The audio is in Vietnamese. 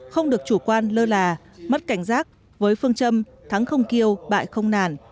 không được chủ quan lơ là mất cảnh giác với phương châm thắng không kêu bại không nản